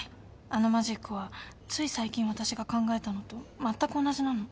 あのマジックはつい最近私が考えたのとまったく同じなの。